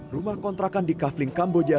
rumah kontrakan di kafling kamboja